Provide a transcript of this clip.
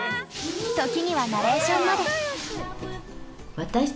時にはナレーションまで。